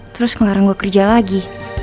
terus kemarin gue kerja lagi